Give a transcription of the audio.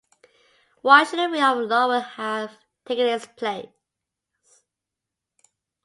Why should a wreath of laurel have taken its place.?